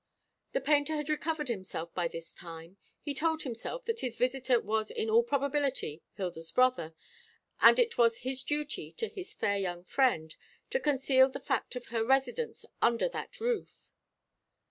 The painter had recovered himself by this time. He told himself that his visitor was in all probability Hilda's brother, and that it was his duty to his fair young friend to conceal the fact of her residence under that roof.